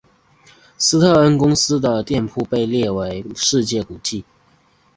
斯特恩公司的店铺被列为历史古迹。